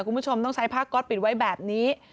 คุณผู้ชมต้องใช้ผ้าก๊อตปิดไว้แบบนี้